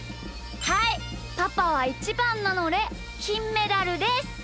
はいパパはイチバンなのできんメダルです！